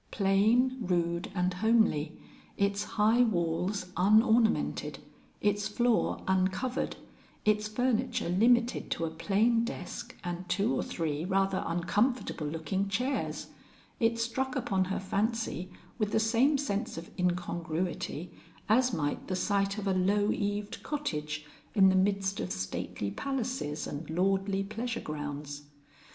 Plain, rude and homely, its high walls unornamented, its floor uncovered, its furniture limited to a plain desk and two or three rather uncomfortable looking chairs, it struck upon her fancy with the same sense of incongruity, as might the sight of a low eaved cottage in the midst of stately palaces and lordly pleasure grounds.